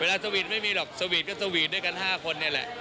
เวลาสวีตไม่มีหรอกสวีตก็สวีตด้วยกันห้าคนเนี้ยแหละ